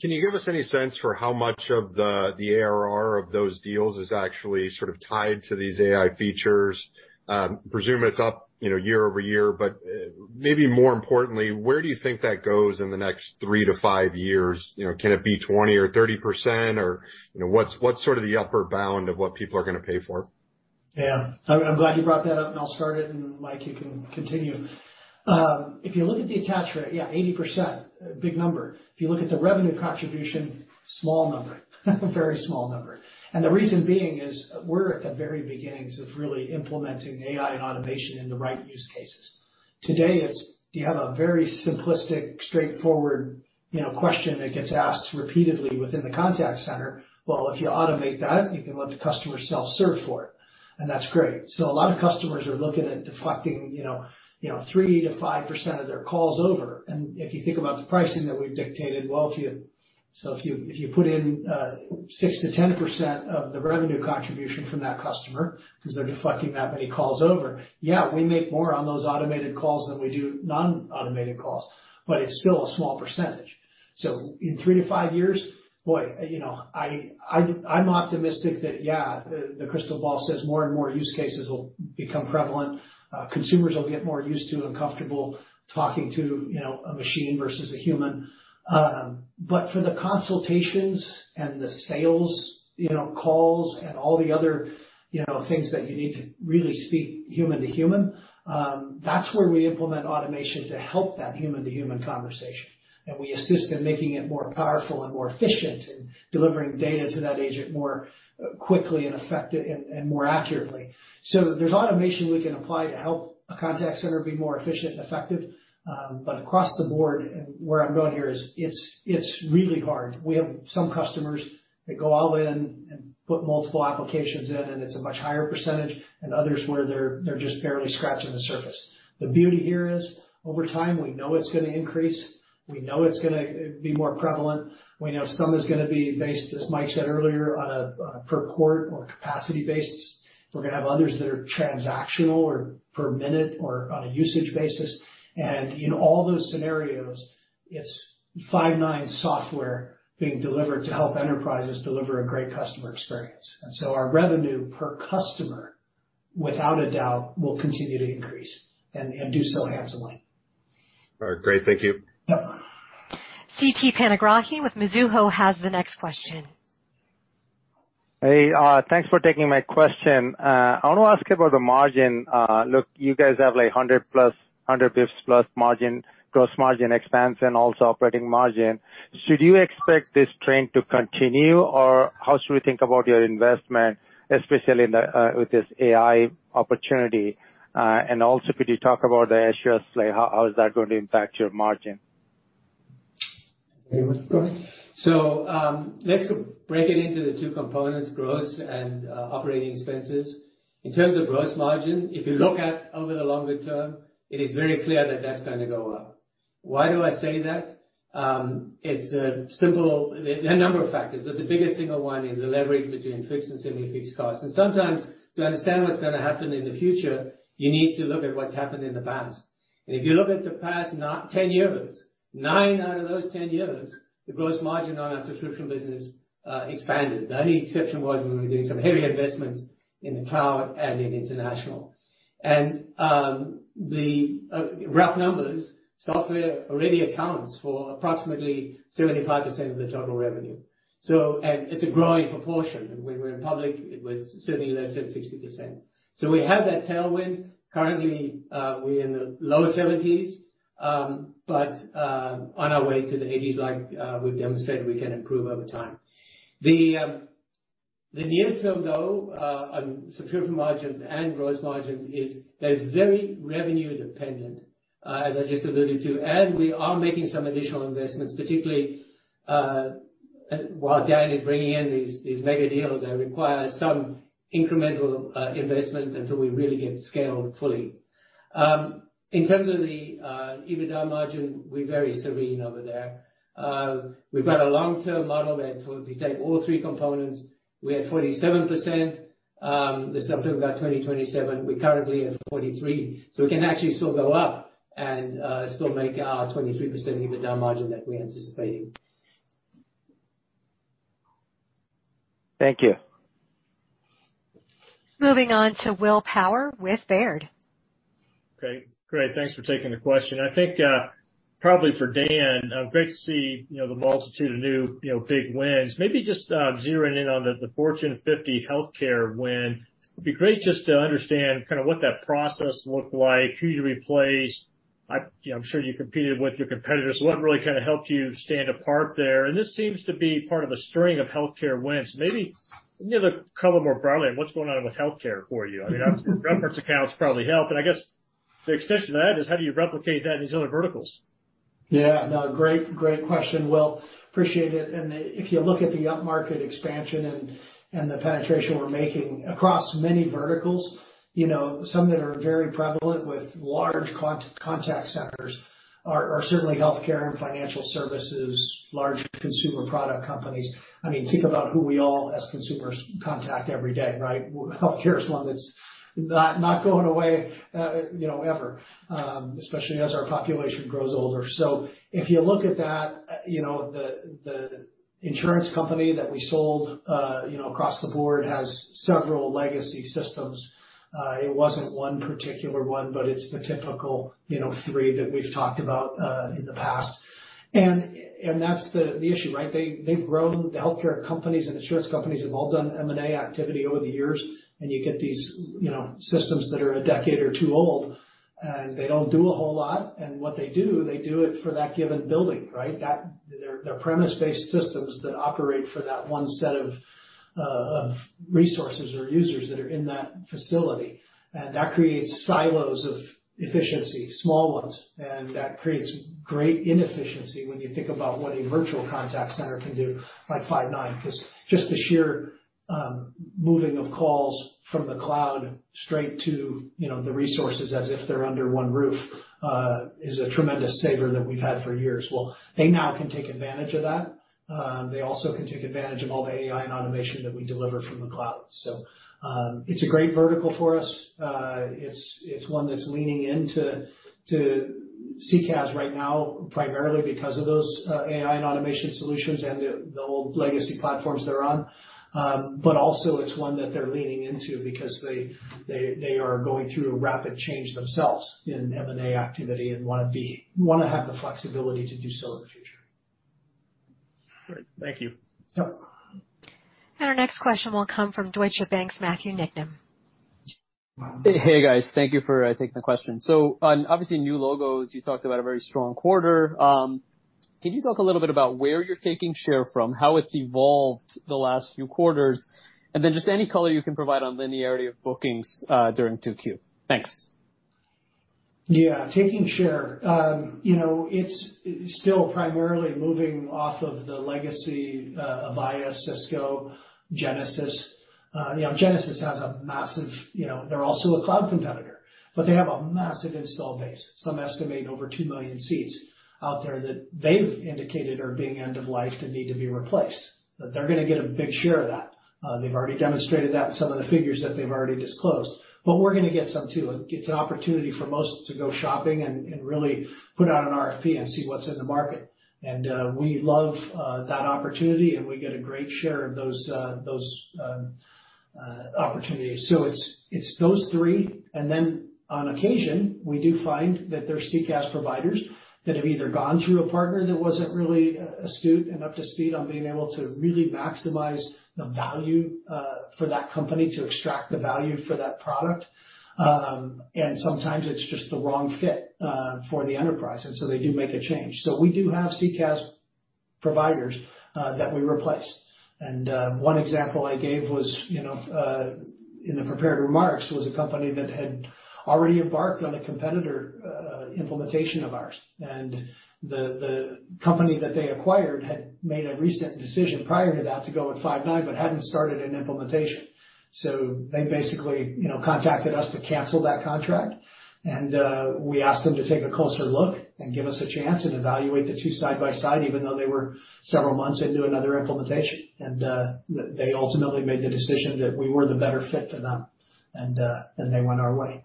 can you give us any sense for how much of the ARR of those deals is actually sort of tied to these AI features? Presume it's up, year-over-year, but maybe more importantly, where do you think that goes in the next 3-5 years? Can it be 20% or 30%, or what's sort of the upper bound of what people are gonna pay for? Yeah. I'm, I'm glad you brought that up, and I'll start it, and Mike, you can continue. If you look at the attach rate, yeah, 80%, big number. If you look at the revenue contribution, small number. Very small number. The reason being is we're at the very beginnings of really implementing AI and automation in the right use cases. Today, it's, do you have a very simplistic, straightforward, you know, question that gets asked repeatedly within the contact center? Well, if you automate that, you can let the customer self-serve for it, and that's great. A lot of customers are looking at deflecting, you know, you know, 3%-5% of their calls over. If you think about the pricing that we've dictated well to you. If you, if you put in 6%-10% of the revenue contribution from that customer because they're deflecting that many calls over, yeah, we make more on those automated calls than we do non-automated calls, but it's still a small percentage. In 3-5 years, boy, you know, I, I, I'm optimistic that, yeah, the crystal ball says more and more use cases will become prevalent. Consumers will get more used to and comfortable talking to, you know, a machine versus a human. For the consultations and the sales, you know, calls and all the other, you know, things that you need to really speak human to human, that's where we implement automation to help that human-to-human conversation, and we assist in making it more powerful and more efficient in delivering data to that agent more quickly and effective and more accurately. There's automation we can apply to help a contact center be more efficient and effective, across the board, and where I'm going here, is it's really hard. We have some customers that go all in and put multiple applications in, and it's a much higher %, and others, where they're just barely scratching the surface. The beauty here is. Over time, we know it's gonna increase. We know it's gonna be more prevalent. We know some is gonna be based, as Mike said earlier, on a per port or capacity basis. We're gonna have others that are transactional or per minute or on a usage basis. In all those scenarios, it's Five9 software being delivered to help enterprises deliver a great customer experience. So our revenue per customer, without a doubt, will continue to increase, and, and do so handsomely. All right, great. Thank you. Yep. C.T. Panigrahi with Mizuho has the next question. Hey, thanks for taking my question. I want to ask about the margin. Look, you guys have, like, 100 plus, 100 basis points plus margin, gross margin expansion, also operating margin. Should you expect this trend to continue, or how should we think about your investment, especially in the, with this AI opportunity? Also, could you talk about the issues, like how, how is that going to impact your margin? Let's break it into the 2 components, gross and operating expenses. In terms of gross margin, if you look at over the longer term, it is very clear that that's going to go up. Why do I say that? There are a number of factors, but the biggest single one is the leverage between fixed and semi-fixed costs. Sometimes, to understand what's gonna happen in the future, you need to look at what's happened in the past. If you look at the past 9, 10 years, 9 out of those 10 years, the gross margin on our subscription business expanded. The only exception was when we were doing some heavy investments in the cloud and in international. The rough numbers, software already accounts for approximately 75% of the total revenue. It's a growing proportion. When we went public, it was certainly less than 60%. We have that tailwind. Currently, we're in the lower 70s, but on our way to the 80s, like we've demonstrated, we can improve over time. The near term, though, on subscription margins and gross margins is very revenue dependent, adjustability to. We are making some additional investments, particularly while Dan is bringing in these mega deals that require some incremental investment until we really get scaled fully. In terms of the EBITDA margin, we're very serene over there. We've got a long-term model that if you take all three components, we're at 47%. This is up to about 2027. We're currently at 43, so we can actually still go up and, still make our 23% EBITDA margin that we're anticipating. Thank you. Moving on to Will Power with Baird. Okay, great. Thanks for taking the question. I think, probably for Dan, great to see, you know, the multitude of new, you know, big wins. Maybe just, zeroing in on the, the Fortune 50 healthcare win, it'd be great just to understand kind of what that process looked like, who you replaced. I, you know, I'm sure you competed with your competitors. What really kind of helped you stand apart there? This seems to be part of a string of healthcare wins. Maybe give a couple more broadly, on what's going on with healthcare for you. I mean, reference accounts probably help, and I guess the extension to that is how do you replicate that in these other verticals? Yeah. No, great, great question, Will. Appreciate it. If you look at the upmarket expansion and, and the penetration we're making across many verticals, you know, some that are very prevalent with large contact centers are, are certainly healthcare and financial services, large consumer product companies. I mean, think about who we all as consumers contact every day, right? Healthcare is one that's not, not going away, you know, ever, especially as our population grows older. If you look at that, you know, the, the insurance company that we sold, you know, across the board has several legacy systems. It wasn't one particular one, but it's the typical, you know, three that we've talked about in the past. That's the, the issue, right? They, they've grown. The healthcare companies and insurance companies have all done M&A activity over the years, you get these, you know, systems that are a decade or 2 old, they don't do a whole lot. What they do, they do it for that given building, right? They're premise-based systems that operate for that 1 set of resources or users that are in that facility. That creates silos of efficiency, small ones, that creates great inefficiency when you think about what a virtual contact center can do, like Five9. Just the sheer moving of calls from the cloud straight to, you know, the resources as if they're under 1 roof, is a tremendous saver that we've had for years. Well, they now can take advantage of that. They also can take advantage of all the AI and automation that we deliver from the cloud. It's a great vertical for us. It's, it's one that's leaning into to CCaaS right now, primarily because of those, AI and automation solutions and the, the old legacy platforms they're on. Also, it's one that they're leaning into because they, they, they are going through a rapid change themselves in M&A activity and wanna have the flexibility to do so in the future. Great. Thank you. Yep. Our next question will come from Deutsche Bank's Matthew Niknam. Hey, guys. Thank you for taking the question. On, obviously, new logos, you talked about a very strong quarter. Can you talk a little bit about where you're taking share from, how it's evolved the last few quarters, and then just any color you can provide on linearity of bookings, during 2Q? Thanks. Yeah. Taking share. you know, it's still primarily moving off of the legacy, Avaya, Cisco, Genesys. you know, Genesys has a massive, you know, they're also a cloud competitor, but they have a massive install base. Some estimate over 2 million seats out there that they've indicated are being end of life and need to be replaced, that they're gonna get a big share of that. They've already demonstrated that in some of the figures that they've already disclosed. We're gonna get some, too. It's an opportunity for most to go shopping and, and really put out an RFP and see what's in the market. We love that opportunity, and we get a great share of those, those, opportunities. It's, it's those three. Then on occasion, we do find that there are CCaaS providers that have either gone through a partner that wasn't really astute and up to speed on being able to really maximize the value for that company to extract the value for that product. Sometimes it's just the wrong fit for the enterprise, and so they do make a change. We do have CCaaS providers that we replace. One example I gave was, you know, in the prepared remarks, was a company that had already embarked on a competitor implementation of ours, and the company that they acquired had made a recent decision prior to that to go with Five9, but hadn't started an implementation. They basically, you know, contacted us to cancel that contract, and we asked them to take a closer look and give us a chance and evaluate the two side by side, even though they were several months into another implementation. They ultimately made the decision that we were the better fit for them, and they went our way.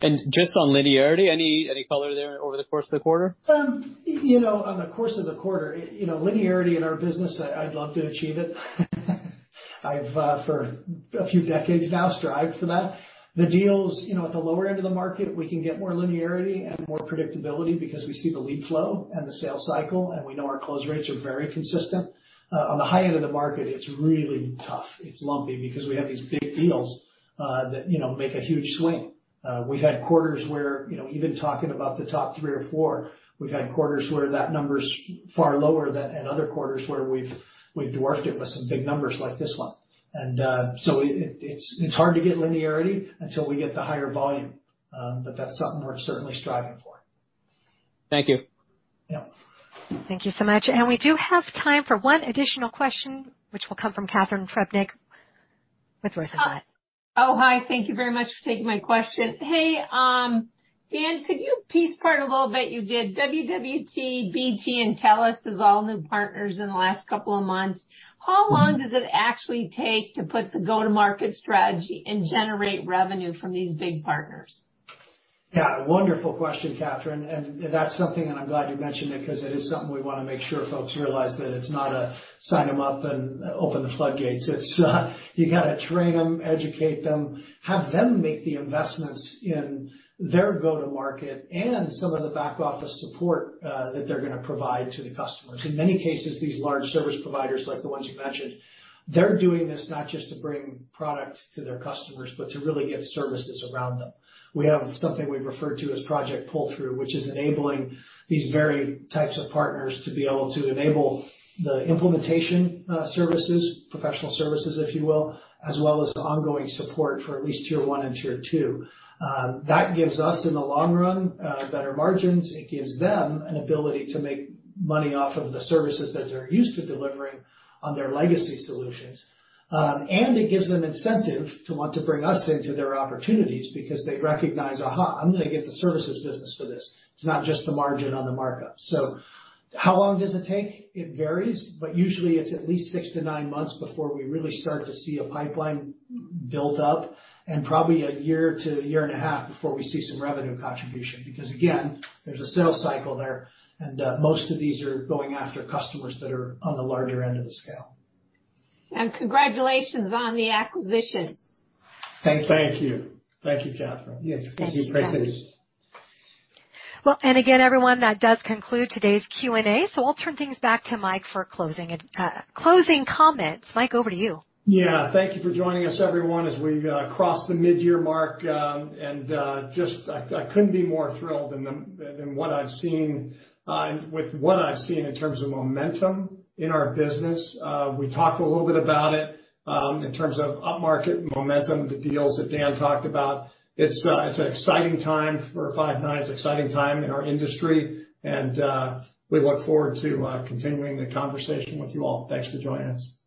Just on linearity, any color there over the course of the quarter? You know, on the course of the quarter, you know, linearity in our business, I, I'd love to achieve it. I've, for a few decades now, strived for that. The deals, you know, at the lower end of the market, we can get more linearity and more predictability because we see the lead flow and the sales cycle, and we know our close rates are very consistent. On the high end of the market, it's really tough. It's lumpy because we have these big deals that, you know, make a huge swing. We've had quarters where, you know, even talking about the top 3 or 4, we've had quarters where that number's far lower than in other quarters where we've, we've dwarfed it with some big numbers like this one. It's hard to get linearity until we get the higher volume. That's something we're certainly striving for. Thank you. Yeah. Thank you so much. We do have time for one additional question, which will come from Catherine Trebnick with Rosenblatt. Oh, hi. Thank you very much for taking my question. Hey, Dan, could you piece apart a little bit? You did WWT, BT, and TELUS as all new partners in the last couple of months. How long does it actually take to put the go-to-market strategy and generate revenue from these big partners? Yeah, wonderful question, Catherine, and that's something, and I'm glad you mentioned it because it is something we wanna make sure folks realize, that it's not a sign them up and open the floodgates. It's, you gotta train them, educate them, have them make the investments in their go-to-market and some of the back-office support, that they're gonna provide to the customers. In many cases, these large service providers, like the ones you mentioned, they're doing this not just to bring product to their customers, but to really get services around them. We have something we refer to as Project Pull Through, which is enabling these very types of partners to be able to enable the implementation, services, professional services, if you will, as well as the ongoing support for at least tier one and tier two. That gives us, in the long run, better margins. It gives them an ability to make money off of the services that they're used to delivering on their legacy solutions. It gives them incentive to want to bring us into their opportunities because they recognize, aha, I'm gonna get the services business for this. It's not just the margin on the markup. How long does it take? It varies, but usually it's at least 6 to 9 months before we really start to see a pipeline build up, and probably 1 year to 1.5 years before we see some revenue contribution, because, again, there's a sales cycle there, and most of these are going after customers that are on the larger end of the scale. Congratulations on the acquisition. Thank you. Thank you. Thank you, Catherine. Yes, thank you. Appreciate it. Well, again, everyone, that does conclude today's Q&A, so I'll turn things back to Mike for closing it. Closing comments. Mike, over to you. Yeah. Thank you for joining us, everyone, as we cross the midyear mark, and just I, I couldn't be more thrilled than what I've seen with what I've seen in terms of momentum in our business. We talked a little bit about it in terms of upmarket momentum, the deals that Dan talked about. It's an exciting time for Five9. It's an exciting time in our industry, and we look forward to continuing the conversation with you all. Thanks for joining us.